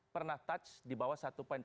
pernah touch di bawah satu